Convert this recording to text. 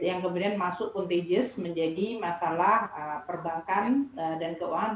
yang kemudian masuk contagious menjadi masalah perbankan dan keuangan